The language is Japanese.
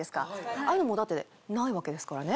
ああいうのもだってないわけですからね。